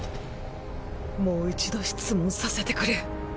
もう一度質問させてくれ。